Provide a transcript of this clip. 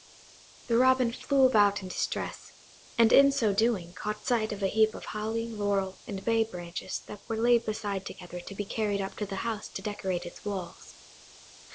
The Robin flew about in distress, and in so doing caught sight of a heap of holly, laurel, and bay branches that were laid aside together to be carried up to the house to decorate its walls.